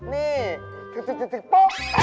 นี่ปุ๊บแป๊บ